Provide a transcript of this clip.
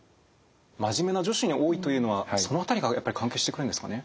真面目な女子に多いというのはその辺りがやっぱり関係してくるんですかね？